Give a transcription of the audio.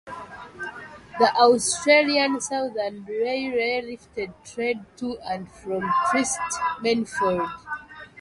The Austrian Southern Railway lifted trade to and from Trieste manyfold.